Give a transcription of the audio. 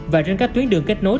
và trên các tuyến đường kết nối